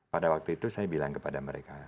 pada waktu itu saya bilang kepada mereka